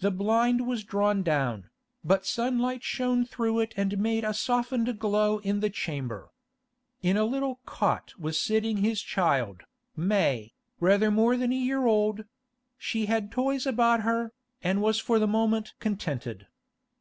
The blind was drawn down, but sunlight shone through it and made a softened glow in the chamber. In a little cot was sitting his child, May, rather more than a year old; she had toys about her, and was for the moment contented.